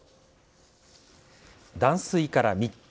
断水から３日。